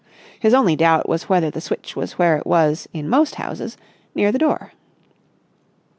His only doubt was whether the switch was where it was in most houses, near the door.